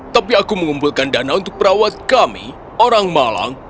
tapi aku mengumpulkan dana untuk perawat kami orang malang